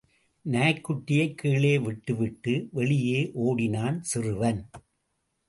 நாய்க்குட்டியைக் கீழே விட்டுவிட்டு, வெளியே ஒடினான் சிறுவன்.